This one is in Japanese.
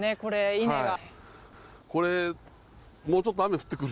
稲が。